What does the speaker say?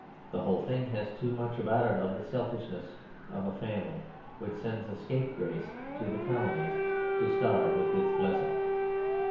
The whole thing has too much about it of the selfishness of a family which sends a scapegrace to the Colonies to starve with its blessing.